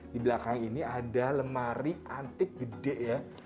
di belakang ini ada lemari antik gede ya